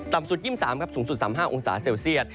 สุด๒๓ครับสูงสุด๓๕องศาเซลเซียต